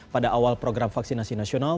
pada awal program vaksinasi nasional